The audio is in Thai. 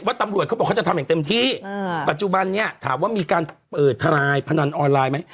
ตำรวจเขาบอกเขาจะทำอย่างเต็มที่ปัจจุบันนี้ถามว่ามีการเปิดทลายพนันออนไลน์ไหม